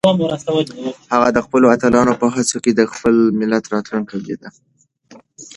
هغه د خپلو اتلانو په هڅو کې د خپل ملت راتلونکی لیده.